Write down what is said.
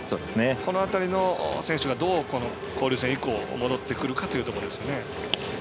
この辺りの選手がどう交流戦以降戻ってくるかというところです。